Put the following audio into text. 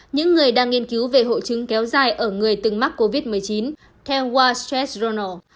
những người đang nghiên cứu về hội chứng kéo dài ở người từng mắc covid một mươi chín theo wall street journal